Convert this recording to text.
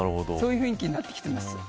そういう雰囲気になってきてます。